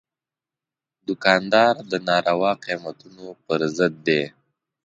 دوکاندار د ناروا قیمتونو پر ضد دی.